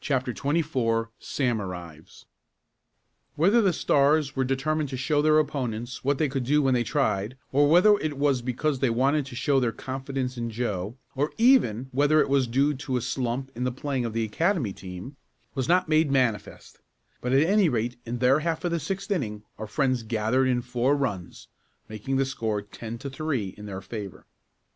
CHAPTER XXIV SAM ARRIVES Whether the Stars were determined to show their opponents what they could do when they tried or whether it was because they wanted to show their confidence in Joe, or even whether it was due to a slump in the playing of the Academy team, was not made manifest, but at any rate in their half of the sixth inning our friends gathered in four runs, making the score ten to three in their favor.